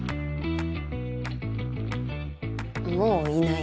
もういない。